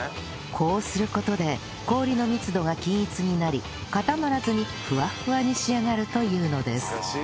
こうする事で氷の密度が均一になり固まらずにフワッフワに仕上がるというのです